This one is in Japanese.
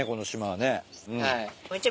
はい。